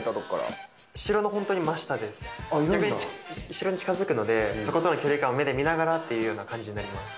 逆に城に近付くのでそことの距離感を目で見ながらっていうような感じになります。